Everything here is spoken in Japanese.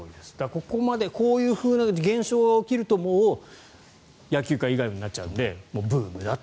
ここまでこういう現象が起きると野球界以外もってなっちゃうんでブームになると。